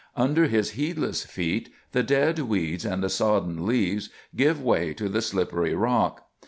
Under his heedless feet the dead weeds and the sodden leaves give way to the slippery rock.